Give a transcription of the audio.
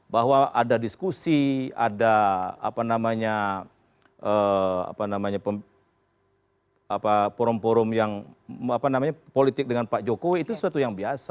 bahwa ada diskusi ada apa namanya apa namanya apa namanya forum forum yang apa namanya politik dengan pak jokowi itu sesuatu yang biasa